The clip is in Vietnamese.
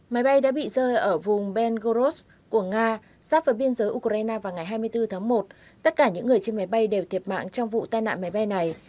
máy bay đã bị rơi ở vùng ben gorod của nga sắp vào biên giới ukraine vào ngày hai mươi bốn tháng một tất cả những người trên máy bay đều thiệt mạng trong vụ tai nạn máy bay này